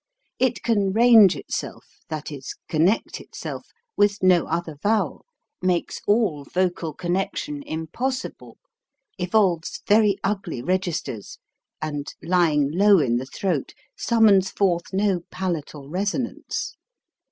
It can range itself, that is connect itself, with no other vowel, makes all vocal connection impos sible, evolves very ugly registers; and, lying low in the throat, summons forth no palatal resonance.